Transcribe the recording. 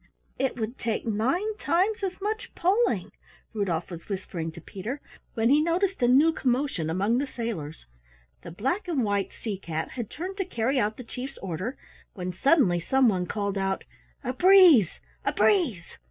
"It would take nine times as much pulling " Rudolf was whispering to Peter, when he noticed a new commotion among the sailors. The black and white sea cat had turned to carry out the Chief's order when suddenly some one called out "A breeze, a breeze!"